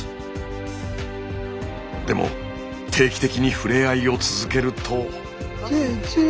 でも定期的に触れ合いを続けると。